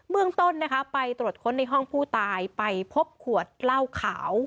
เมืองต้นนะคะไปตรวจค้นในห้องผู้ตายไปพบขวดเหล้าขาว